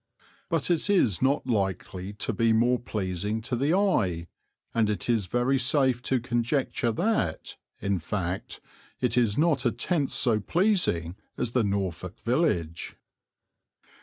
But it is not likely to be more pleasing to the eye, and it is very safe to conjecture that, in fact, it is not a tenth so pleasing as the Norfolk village.